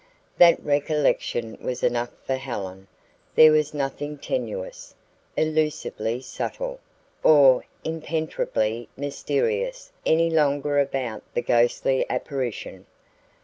That recollection was enough for Helen. There was nothing tenuous, elusively subtle, or impenetrably mysterious any longer about the ghostly apparition.